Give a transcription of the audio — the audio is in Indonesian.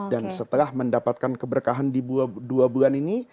dan setelah mendapatkan keberkahan di dua bulan ini